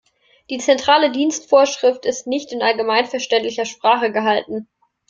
Die Zentrale Dienstvorschrift ist nicht in allgemeinverständlicher Sprache gehalten.